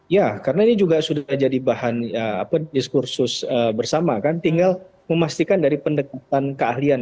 ya karena ini juga sudah jadi bahan diskursus bersama kan tinggal memastikan dari pendekatan keahlian